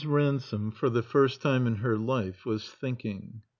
RANSOME for the first time in her life was thinking.